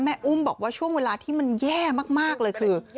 อุ้มบอกว่าช่วงเวลาที่มันแย่มากเลยคือ